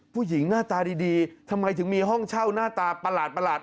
ผู้หญิงหน้าตาดีทำไมถึงมีห้องเช่าหน้าตาประหลาด